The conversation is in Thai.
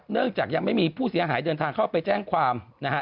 จากยังไม่มีผู้เสียหายเดินทางเข้าไปแจ้งความนะฮะ